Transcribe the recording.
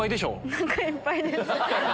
おなかいっぱいです。